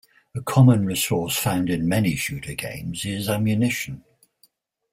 A common resource found in many shooter games is ammunition.